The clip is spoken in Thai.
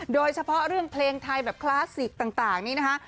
โดยเฉพาะเรื่องเพลงไทยแบบคลาสสิกต่างนี้นะคะ